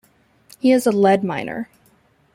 He is a lead miner.